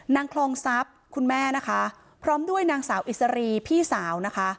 นางคลองทรัพย์คุณแม่นะคะพร้อมด้วยนางสาวอิสรีพี่สาวนะคะ